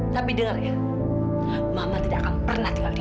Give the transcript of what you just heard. tapi dengar ya mama tidak akan pernah tinggal diam